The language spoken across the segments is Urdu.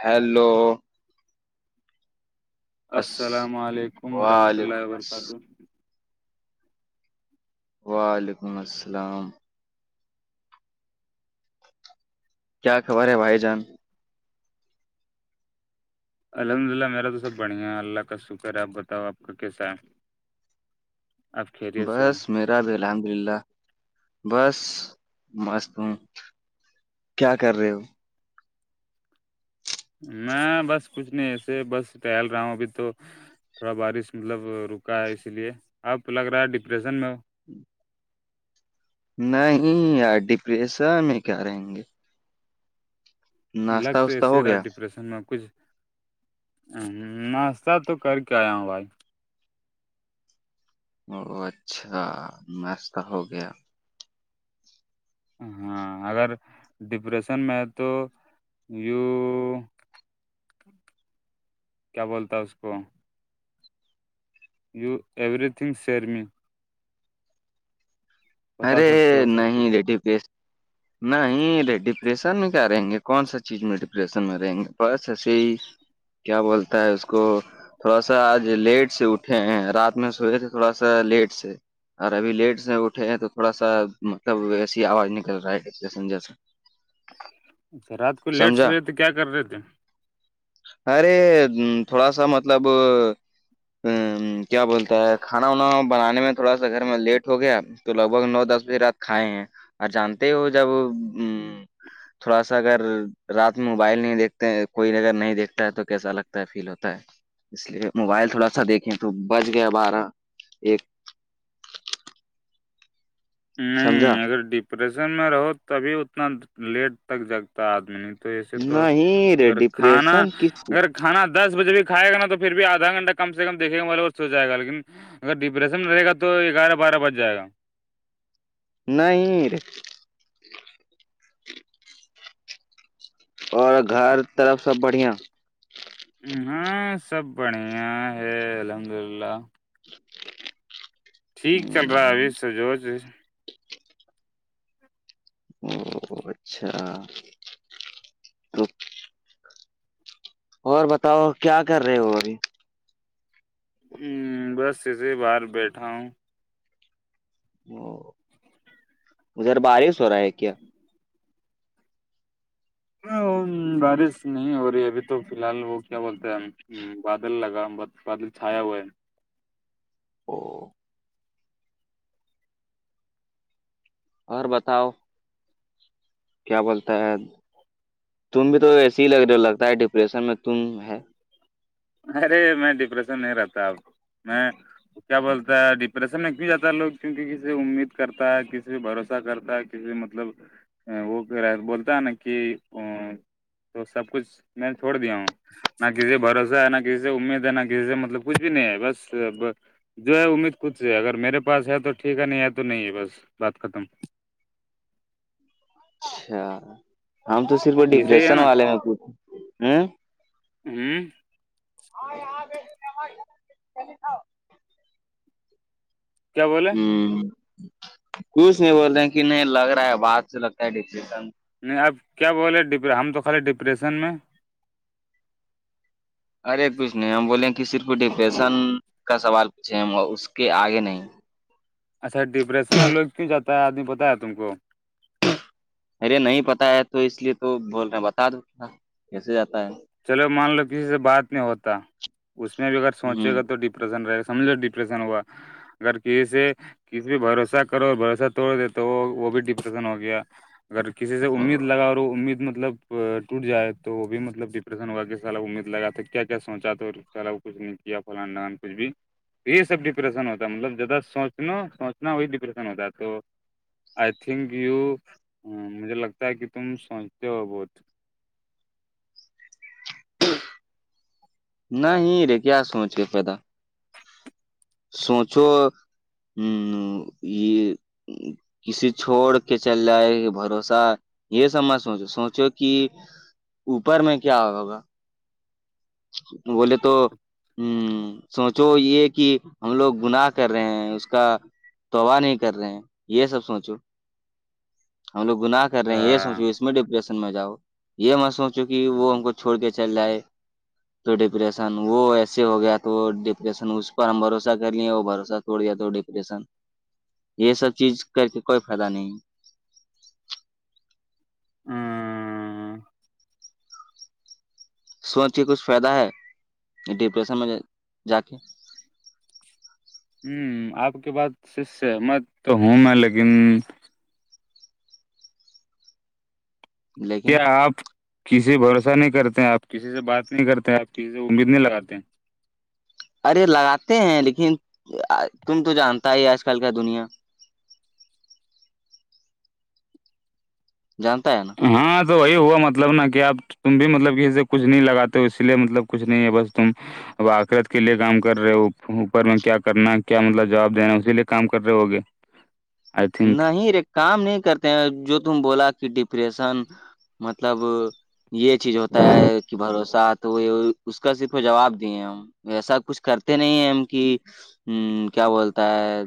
ہیلو اس السلام علیکم ورحمۃ اللہ وعلیکم الس- وبرکاتہ وعلیکم السلام کیا خبر ہے بھائی جان الحمد للہ میرا تو سب بڑھیا ہے اللہ کا شکر ہے آپ بتاؤ آپ کا کیسا ہے آپ خیریت سے ہو بس میرا بھی الحمد للہ بس مست ہوں کیا کر رہے ہو میں بس کچھ نہیں ایسے بس ٹہل رہا ہوں ابھی تو تھوڑا بارش مطلب رکا ہے اسی لیے آب لگ رہا ہے ڈپریسن میں [unintelligible] نہیں ار ڈپریشن میں کیا رہیں گے ناشتہ لگتے ہے واشتہ ہو سیرات گیا ڈپریس میں کچھ ناشہ تو کر کے آیا ہوں بھائی او اچھا نسہ ہو گیا ہاں اگر ڈپریشن میں ہے تو کیا بولتا ہے اس کو you everything share me بتا ارے سکتے ہو سب کچھ نہیں رٹھی پس نہیںرے ڈپریشن میں کیا رہیں گے کون سا چیز میں ڈپریشن میں رہیں گے بس ایسے ہی کیا بولتا ہے اس کو تھوڑا سا آج لیٹ سے اٹھے ہیں رات میں سوئے تھے تھوڑا سا لیٹ سے اور ابھی لیٹ سے اٹھے ہیں تو تھوڑا سا مطلب ویسی آواز نکل رہا ہےنیس اچھا رات کو لیٹ سے سمجھا ہوئے تو کیا کر رہے تھے ارے تھوڑا سا مطلب ہ کیا بولتا ہے کھانا وانا بنانے میں تھوڑا سا گھر میں لیٹ ہو گیا تو لگ بھگ نو دس بجے رات کھائے ہیں اور جانتے ہو جب ا تھوڑا ساگر رات میں موبائل نہیں دیکھتے ہیں کوئی اگر نہیں دیکھتا ہے تو کیسا لگتا ہے فیل ہوتا ہے اس لیے موبائل تھوڑا سا دیکھیں تو بچ گیا بارہ ایک سمجھا نہیں اگر ڈپریشن میں رہو تبھی اتنا لیٹ تک جگتا آدمی تو ایسے تو نہیں رے اگر کھانا ڈپریشن کس اگر کھا دس بجے بھی کھائے گا تو پھر بھی آدھا گھٹہ کم سے کم دیکیں گا بےھ ہو جائےا لیکن اگر ڈپریشن میں رہے گا تو گیارہ بارہ بج جائے گا نہیں اور گھر طرف سب بڑھیا ہاں سب بڑھیا ہے الحمد للہ ٹھیک چل رہا ہے ابھی سجوچ اچھا تو اور بتاؤ کیا کر رہے ہو ابھی بس اسے باہر بیٹھا ہوں ادھر بارش ہو رہا ہے کیا بارش نہیں ہو رہی ابھی تو فی الحال وہ کیا بولتے ہیں ہم ہاں بادل لگا بادل چھایا ہوا ہے ہاں اور بتاؤ کیا بولتا ہے تم بھی تو ایسے ہی لگتا ہے ڈپریشن میں تم ہے ارے میں ڈپریشن نہیں رہتا اب میں کیا بولتا ہے ڈپریشن میں بھی جاتا ہے لوگ کیونکہ کسی سے امید کرتا ہے کسی پ بھروسہ کرتا ہے مطلب وہ کہہ رہا بولتا ہے نا کہ تو سب کچھ میں چھوڑ دیا ہوں نہ کسی بھروسہ ہے نہ کسی سے امید ہے نا کسی سے مطلب کچھ بھی نہیں ہے بس جو ہے امید کچھ سے اگر میرے پاس ہے تو ٹھیک ہے نہیں ہے تو نہیں ہے بس بات ختم اچھا ہم تو صرف یہ صحیح ہے ڈپریشن نا والے میں پوچھے ہوں ہاں آ گ اور چ آ کیا بولے ہوں کچھ نہیں بول رہے ہیں کہ نہیں لگ رہا ہے بات سے لگتا ہے ڈریشن نہیں آپ کیا بول رہے ہیں ہم تو خالی ڈپریسن میں ارے کچھ نہیں ہم بولے کہ صرف ڈپریشن کا سوال پوچھے اس کے آگے نہیں اچھا ڈپریشن میں لوگ کیوں جاتا ہے آدمی پتا ہے تم کو ارے نہیں پتا ہے تو اس لیے تو بول رہے ہیں بتا دو کیسے جاتا ہے چلو مان لو کسی سے بات نہیں ہوتا اس میں بھی اگر سوچے ہوں گا تو رہے گ سمجھو ڈپریشن ہوا اگر کسی سے کسی بھی بھروسہ کرو اور بھروسہ توڑ دے تو وہ وہ بھی ڈپریشن ہو گیا اگر کسی سے او، امید لگا اور وہ امید مطلب ٹوٹ جائے تو وہ بھی مطلب امید لگا تھا کیا کیا سوچا تھاو کچھ نہیں کیا فلان ڈان کچھ بھی یہی سب ڈپریشن ہوتا ہے مطلب جیادہ سوچنا سوچنا وہی ڈپریشن ہوتا ہے تو آئی تھنک یو مجھے لگتا ہے کہ تم سوچتے ہو بہت نہیں رے کیا سوچ کے پیدا سوچو ہوں یہ کسی چھوڑ کے چل جائے گ بھروسہ یہ سبمج سوچو سوچو کہ اوپر میں کیا ہوگا بولے تو ہ سوچو یہ کہ ہم لوگ گناہ کر رہے ہیں اس کا توباہ نہیں کر رہے ہیں یہ سب سوچو ہم لوگ گناہ کر رہے ہیں یہ اچھا سوچو اس میں ڈپریشن میں جاؤ یہ میں سوچو کہ وہ ہم کو چھوڑ کے چل جائے تو ڈپریسن وہ ایسے ہو گیا تو وہ ڈپریسن اس پر ہم بھروسہ کر لے وہ بھروسہ تووڑ دیا تو ڈپریسن یہ سب چیز کر کے کوئی فائدہ نہیں ہ سوچ کے کچھ فائدہ ہے ڈپریشن میں جا کے ہوں آپ کے بات سہمت تو ہوں میں لیکن لیکن کیا آپ کسی سے بھروسہ نہیں کرتے ہیں آپ کسی سے بات نہیں کرتے ہیں آپ کسی سے امید نہیں لگاتے ہیں ارے لگاتے ہیں لیکن تم تو جانتا ہی آج کل کا دنیا جانتا ہے نا ہاں تو وہی ہوا مطلب نا کہ آپ تم بھی مطلب کہے کچھ نہیں لگاتے ہو اسی لیے مطلب کچھ نہیں ہے بس تم اب آخرت کے لیے کام کر رہے ہو اوپر میں کیا کرنا ہے کیا مطلب جواب دینا اسی لیے کام کر رہے ہوگے [inaudible] آئی تھنک نہیں رے کام نہیں کرتے ہیں جو تم بولا کہ ڈپریشن مطلب یہ چیز ہوتا ہے کہ بھروسہ تو یہ اس کا صرف جواب دیے ہیں ہم وسا کچھ کرتے نہیں ہم کی ہ کیا بولتا ہے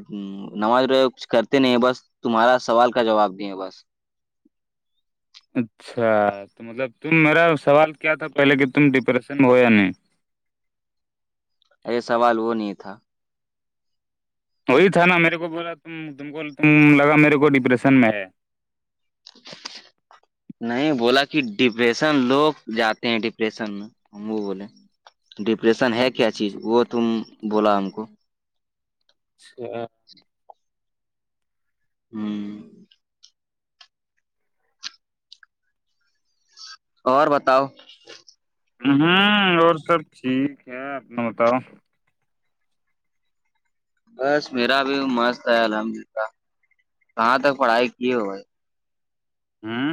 نماز روزہ کچھ کر نہیں بس تمہارا سوال کا جواب دیے ہے بس اچھا تو مطلب تم میرا سوال کیا تھا پہلے کہ تم ڈپریشن میں ہو یا نہیں ارے سوال وہ نہیں تھا وہی تھا نا میرے کو بولا تم کو تم لگا میرے کو ڈپریشن میں ہے [inaudible] نہیں بولا کہ ڈپریشن لوگ جاتے ہیں ڈپریشن میں ہم وہ بولے ڈپریشن ہے کیا چیز وہ تم بولا ہم کو اچھا ہوں اور بتاؤ ہوں اور سب ٹھیک ہے اپنا بتاؤ بس میرا بھی مست ہے الحمدللہ کہاں تک پڑھائی کیے ہوئے ہاں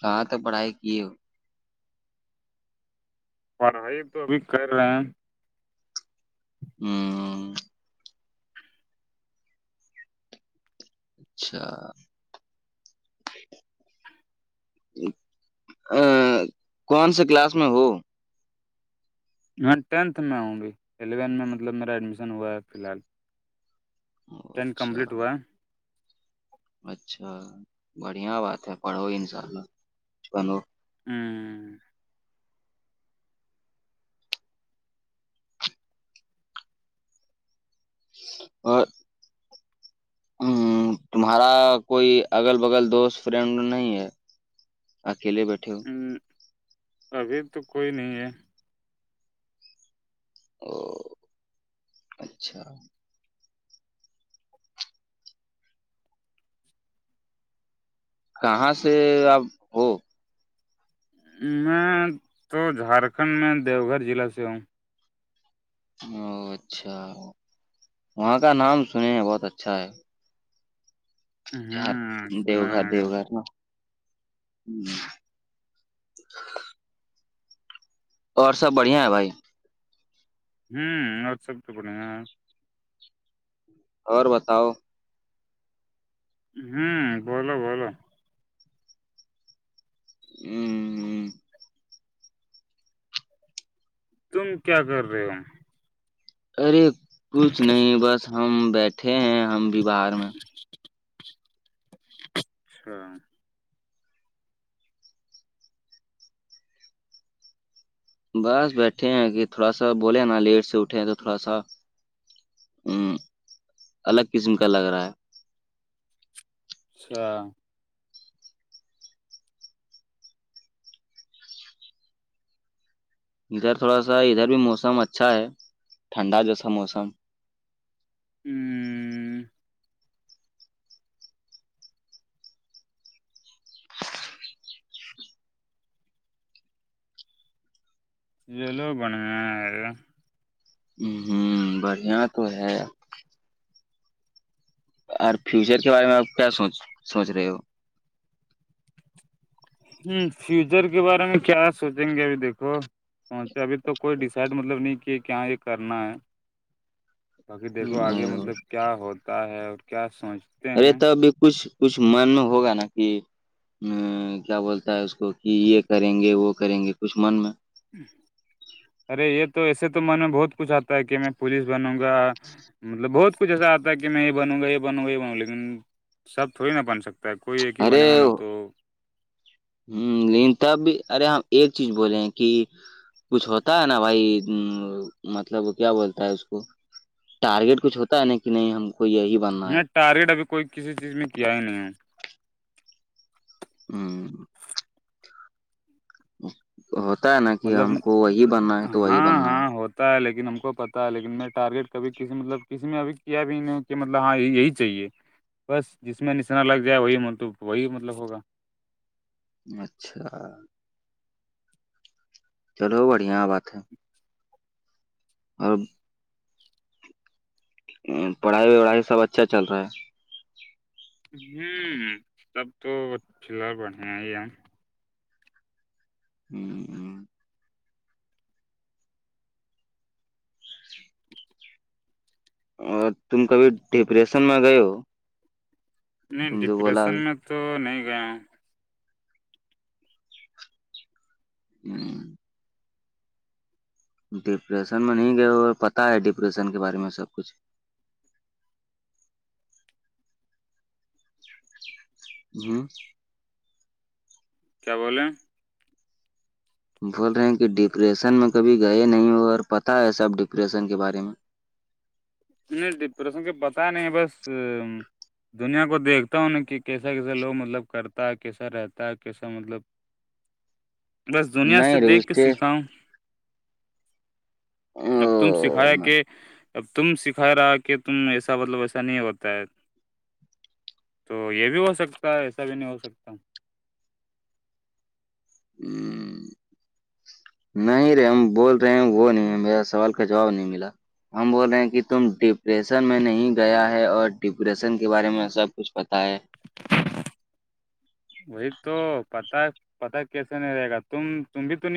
کہاں تک پڑھائی کیے ہو پڑھائی تو ابھی کر رہے ہیں ہوں اچھا ا کون سے کلاس میں ہو میں ٹینتھ میں ہؤں ابھی الیونتھ میں مطلب میرا ایڈمیشن ہوا ہے فی الحال ٹین اچھا کمپلیٹ ہوا ہے اچھا بڑھیا بات ہے پڑھوگے انشاء اللہ کچھ بنو ہ اور ہ تمہارا کوئی اگل بگل دوست فرینڈ نہیں ہے اکیلے بیٹھے ہو ابھی تو کوئی نہیں ہے او اچھا کہاں سے آپ ہو میں تو جھارکھنڈ میں دیوگھر ضلع سے ہوں او اچھا وہاں کا نام سنے ہیں بہت اچھا ہے چار ہوں دیو سنا گھر ہوں گے دیو گھر ن ہ اور سب بڑھیا ہے بھائی ہم اور سب تو بڑھیا ہے اور بتاؤ ہوں بولو بولو ہوں ہ تم کیا کر رہے ہو ارے کچھ نہیں بس ہم بیٹھے ہیں ہم بھی باہر میں [inaudible] اچھا بس بیٹھے ہیں تھوڑا سا بولے نا لیٹ سے اٹھے ہیں تو تھوڑا سا ہ الگ قسم کا لگ رہا ہے اچھا ادھر تھوڑا سا ادھر بھی موسم اچھا ہے ٹھنڈا جیسا موسم ا ل لو بنے ہ ہوں بڑھیا تو ہے اور فیوچر کے بارے میں آپ کیا سوچ سوچ رہے ہو ہوں فیوچر کے بارے میں کیا سوچیں گے ابھی دیکھو ابھی توک کوئی ڈیسائڈ مطلب نہیں کہ کیااں یہ کرنا ہے باقی دیکھو آگے ہوں، مطلب کیا ہوتا ہے اور کیا سوچ ارے تو ابھی کچھ کچھ من میں ہوگا نا کہ ا کیا بولتا ہے اس کو کہ یہ کریں گے وہ کریں گے کچھ من میں ارے یہ تو ایسے تو من میں بہت کچھ آتا ہے کہ میں پوولس بنوں گا مطلب بہت کچھ ایسا آتا کہ میں یہ بنوں گا یہ بوں گا یہ بنوںا لیکن سب تھوڑی نا بن سکتا پیکئی ایک ہی بنے گا ارے نا تو ہوں لیکن تب بھی ارے ہم ایک چیز بولولے ہیں کہ کچھ ہوتا ہے نا بھائی مطلب کیا بولتا ہے اس کو ٹارگیٹ کچھ ہوتا ہے نا کہ نہیں ہم کو یہی بننا ہے میں ٹارگیٹ ابھی کوئی کسی چیز میں کیا ہی نہیں ہے ہوں ہوتا ہے نا کہ مطلب ہم کو وہی بننا ہے تو وہی بننا ہے پتا ہے لیکن ہم کو پتا ہے لیکن میں ٹارگیٹ کبھی کسی مطلب کسی میں ابھی کیا بھی نہیں کہ مطلب ہاں یہی چاہیے بس جس میں نشرح لگ جائے وہی م وہی مطلب ہوگا اچھا چلو بڑھیا بات ہے اور پڑھائی وڑھائی سب اچھا چل رہا ہے تب تو چلر بڑھیا ہی ہے ہوں اور تم کا بھی ڈپریشن م گئے ہو نہیں تم جو بولا ڈپریشن میں تو نہیں گیا ہوں ہ ڈپریسن میں نہیں گئے اور پتاہ ہے ڈپریسن کے بارے میں سب کچھ ہوں کیا بولیں بول رہے ہیں کہ ڈپریشن میں کبھی گئے نہیں ہو اور پتاہ ہے ساب ڈپریشن کے بارے میں نہیں پرسنگ کے پتا نہیں بس دنیا کو دیکھتا ہوں نا کہ کیسا کیسے لوگ مطلب کرتا ہے کیسا رہتا ہے کیسا مطلب بس دنیا سے نہیں رے اس دیکھ کے سیکھاؤں اب تم او، سکھایا م- کہ ا تم خیرا کہ تم ایسا مطلب ایسا نہیں ہوتا ہے تو یہ بھی ہو سکتا ہے ایسا بھی نہیں ہو سکتا ہوں [inaudible] نہیں رہے ہم بول رہے ہیں وہ نہیں میرا سوال کا جواب نہیں ملا ہم بول رہے ہیں کہ تم ڈپریسن میں نہیں گیا ہے اور ڈپریسن کے بارے میں سب کچھ پتاہ ہے وہی تو پتا پتا کیسا نہیں رہے گا تم تم بھی تو نہیں